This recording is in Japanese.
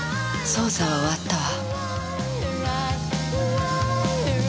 捜査は終わったわ。